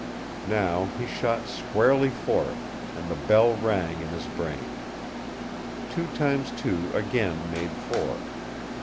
Now he shot squarely for it, and the bell rang in his brain. Two times two again made four.